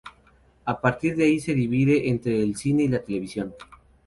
A partir de ahí se divide entre el cine y la televisión.